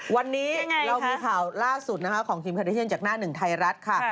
วันนี้เรามีข่าวล่าสุดนะคะของทีมคาเดชั่นจากหน้าหนึ่งไทยรัฐค่ะ